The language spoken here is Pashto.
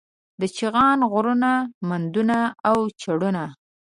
د چغان غرونه، مندونه او چړونه